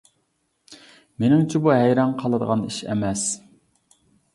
مېنىڭچە، بۇ ھەيران قالىدىغان ئىش ئەمەس.